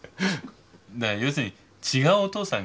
要するに違うお父さん。